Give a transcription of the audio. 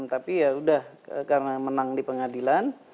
tapi ya sudah karena menang di pengadilan